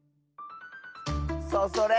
そうそれ！